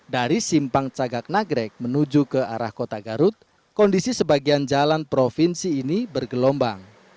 dari simpang cagak nagrek menuju ke arah kota garut kondisi sebagian jalan provinsi ini bergelombang